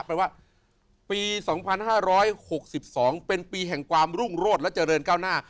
แปลว่าปีสองพันห้าร้อยหกสิบสองเป็นปีแห่งความรุ่งโรธและเจริญก้าวหน้า